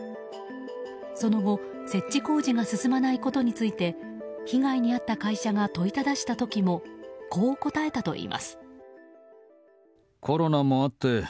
その後設置工事が進まないことについて被害に遭った会社が問いただした時もこう答えたといいます。